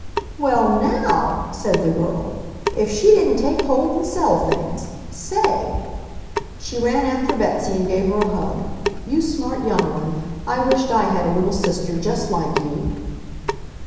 "Well, NOW!" said the girl, "if she didn't take hold and sell things! Say ..."—she ran after Betsy and gave her a hug—"you smart young one, I wish't I had a little sister just like you!"